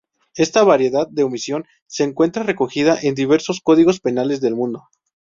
Esta variedad de omisión se encuentra recogida en diversos códigos penales del mundo.